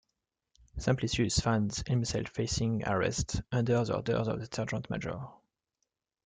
Simplicius finds himself facing arrest under the orders of the Sergeant-major.